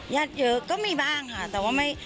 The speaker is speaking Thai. เยอะก็มีบ้างค่ะแต่ว่าไม่